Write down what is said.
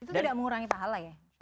itu tidak mengurangi pahala ya